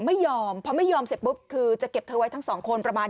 ไม่ยอมเพราะไม่ยอมเสร็จปุ๊บคือจะเก็บเธอไว้ทั้งสองคนประมาณ